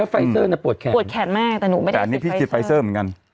ไฟเซอร์เนี่ยปวดแขนปวดแขนมากแต่หนูไม่ได้แต่อันนี้พี่คิดไฟเซอร์เหมือนกัน